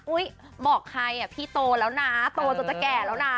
อุ้ยเหมาะใครอะพี่โตแล้วนะโตจนจะแก่แล้วนะ